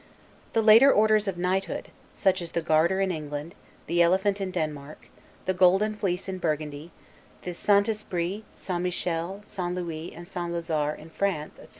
The later orders of knighthood, such as the Garter in England; the Elephant in Denmark; the Golden Fleece in Burgundy; the St. Esprit, St. Michel, St. Louis, and St. Lazare, in France etc.